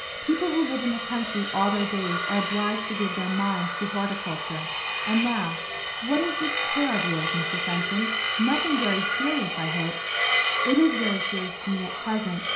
People who live in the country all their days are obliged to give their minds to horticulture. And now, what is this care of yours, Mr. Fenton? Nothing very serious, I hope." "It is very serious to me at present.